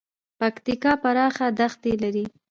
پکتیکا پراخه دښتې لري